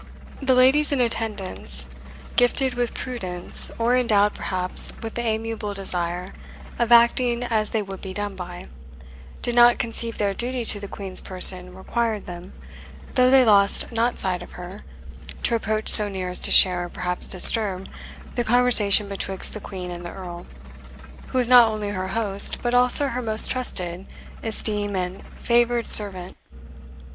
The ladies in attendance, gifted with prudence, or endowed perhaps with the amiable desire of acting as they would be done by, did not conceive their duty to the Queen's person required them, though they lost not sight of her, to approach so near as to share, or perhaps disturb, the conversation betwixt the Queen and the Earl, who was not only her host, but also her most trusted, esteemed, and favoured servant.